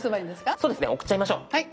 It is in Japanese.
そうですね送っちゃいましょう。